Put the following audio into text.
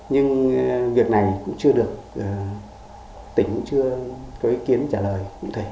nhưng việc này cũng chưa được tỉnh cũng chưa có ý kiến trả lời